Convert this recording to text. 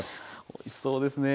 おいしそうですね。